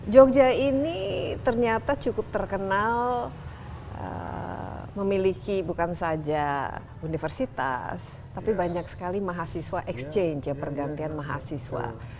jogja ini ternyata cukup terkenal memiliki bukan saja universitas tapi banyak sekali mahasiswa exchange ya pergantian mahasiswa